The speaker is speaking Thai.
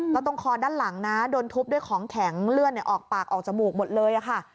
แล้วตรงคอด้านหลังนะโดนทุบด้วยของแข็งเลือดออกปากออกจมูกหมดเลยค่ะ